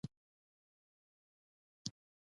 انا له ژړا ژر متاثره کېږي